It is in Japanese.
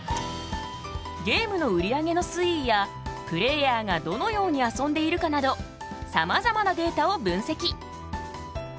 ゲームの売り上げの推移やプレーヤーがどのように遊んでいるかなどさまざまなデータを分析。